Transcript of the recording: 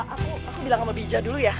aku bilang sama bi ija dulu ya